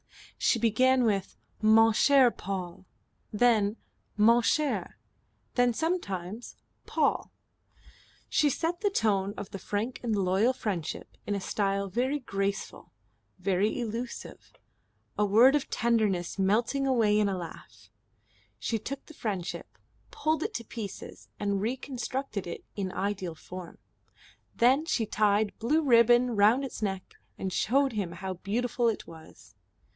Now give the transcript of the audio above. She began with "Mon cher Paul." Then "Mon cher," then sometimes "Paul." She set the tone of the frank and loyal friendship in a style very graceful, very elusive, a word of tenderness melting away in a laugh; she took the friendship, pulled it to pieces and reconstructed it in ideal form; then she tied blue ribbon round its neck, and showed him how beautiful it was.